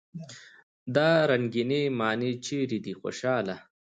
دا رنګينې معنی چېرې دي خوشحاله!